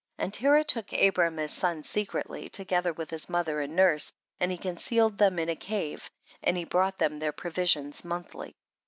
35. And Terah took Abram his son secretly, together with his mo ther and nurse, and he concealed them in a cave, and he brought them their provisions monthly.